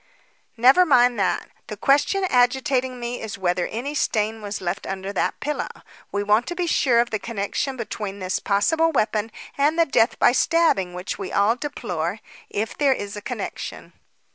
"Never mind that. The question agitating me is whether any stain was left under that pillow. We want to be sure of the connection between this possible weapon and the death by stabbing which we all deplore if there is a connection."